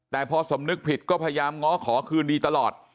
แต่พอสมนึกผิดก็พยายามง้อขอคืนดีตลอด